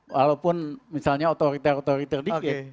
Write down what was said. walaupun misalnya authoritarian authoritarian dikit